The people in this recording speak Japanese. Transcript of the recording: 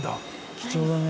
貴重だね。